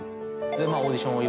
オーディションを。